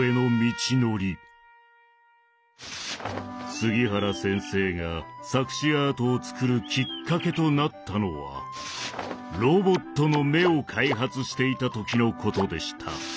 杉原先生が錯視アートを作るきっかけとなったのはロボットの目を開発していた時のことでした。